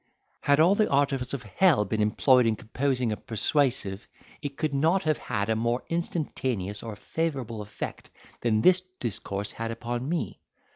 Had all the artifice of hell been employed in composing a persuasive, it could not have had a more instantaneous or favourable effect than this discourse had upon me.